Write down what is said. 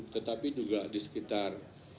tetapi juga di sekitar